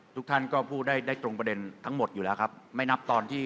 ทุกท่านก็พูดได้ตรงประเด็นทั้งหมดอยู่แล้วครับ